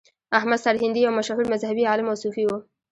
احمد سرهندي یو مشهور مذهبي عالم او صوفي و.